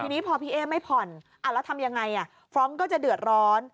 ทีนี้พอพี่เอ๊ไม่ผ่อนแล้วทำยังไงฟรองก์ก็จะเดือดร้อน